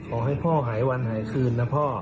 ขอให้พ่อหายวันหายคืนนะพ่อ